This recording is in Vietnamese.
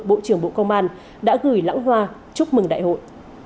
bộ trưởng bộ công an đã gửi lãng hoa chúc mừng đại hội